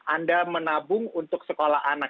anda menabung untuk sekolah anak